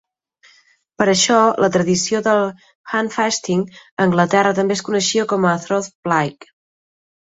Per això, la tradició del "handfasting" a Anglaterra també es coneixia com a "troth-plight".